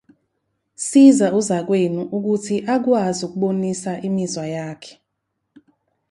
Siza uzakwenu ukuthi akwazi ukubonisa imizwa yakhe.